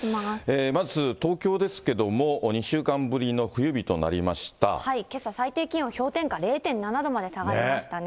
まず、東京ですけれども、２けさ、最低気温氷点下０．７度まで下がりましたね。